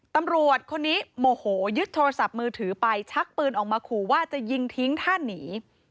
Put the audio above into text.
ตำรวจคนนี้โมโหยึดโทรศัพท์มือถือไปชักปืนออกมาขู่ว่าจะยิงทิ้งท่าหนี